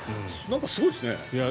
すごいですね。